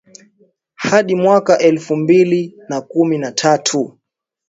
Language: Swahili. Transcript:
Hadi mwaka elfu mbili na kumi na tatu